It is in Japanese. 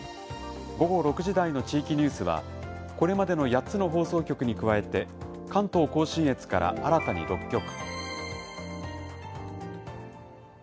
午後６時台の地域ニュースはこれまでの８つの放送局に加えて関東甲信越から新たに６局。